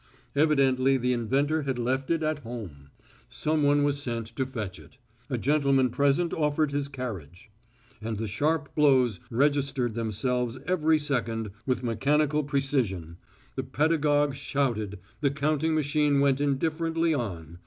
Evidently the inventor had left it at home. Someone was sent to fetch it. A gentleman present offered his carriage. And the sharp blows registered themselves every second with mathematical precision; the pedagogue shouted; the counting machine went indifferently on.